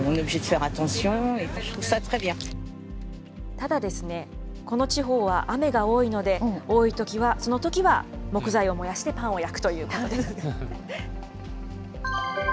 ただ、この地方は雨が多いので、多いときは、そのときは木材を燃やしてパンを焼くということです。